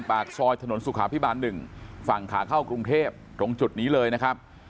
ปากซอยถนนสุขาพิบาล๑ฝั่งขาเข้ากรุงเทพตรงจุดนี้เลยนะครับ